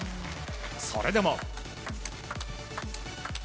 それでも。